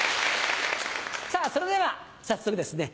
さぁそれでは早速ですね